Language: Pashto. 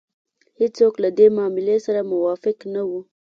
هېڅوک له دې معاملې سره موافق نه وو.